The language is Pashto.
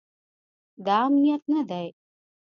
دا امنیت نه دی